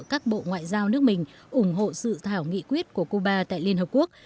các bộ ngoại giao nước mình ủng hộ sự thảo nghị quyết của cuba tại liên hợp quốc